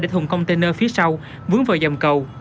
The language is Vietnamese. để thùng container phía sau vướng vào dầm cầu